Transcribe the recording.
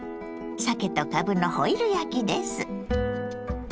さけとかぶのホイル焼きです。